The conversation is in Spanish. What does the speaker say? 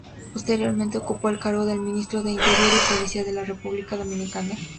Posteriormente ocupó el cargo de Ministro de Interior y Policía de la República Dominicana.